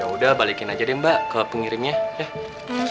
udah balikin aja deh mbak ke pengirimnya ya